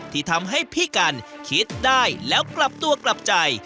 ที่ทำให้พี่กันคิดได้แล้วกลับตัวกลับใจ